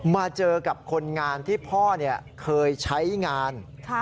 มาเจอกับคนงานที่พ่อเคยใช้งาน